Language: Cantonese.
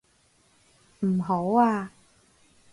唔好啊！